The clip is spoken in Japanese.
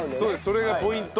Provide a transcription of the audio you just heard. それがポイント。